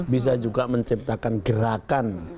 bisa juga menciptakan gerakan